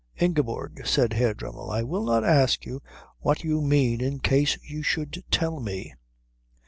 "Ingeborg," said Herr Dremmel, "I will not ask you what you mean in case you should tell me."